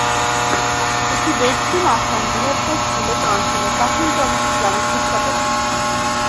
এটি দক্ষিণ আসাম-বৃহত্তর সিলেট অঞ্চলের প্রাচীনতম ইসলামী শিক্ষা প্রতিষ্ঠান।